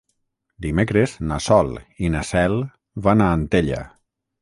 Dimecres na Sol i na Cel van a Antella.